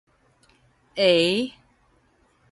个